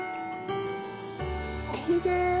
きれい！